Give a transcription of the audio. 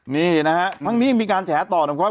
นี่นะครับทั้งนี้มีการแฉะต่อนะครับ